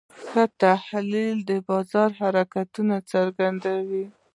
ښه تحلیل د بازار حرکتونه څرګندوي.